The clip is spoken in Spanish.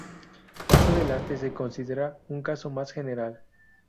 Más adelante se considera un caso más general.